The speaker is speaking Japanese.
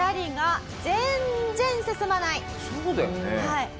はい。